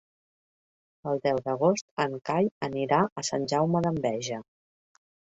El deu d'agost en Cai anirà a Sant Jaume d'Enveja.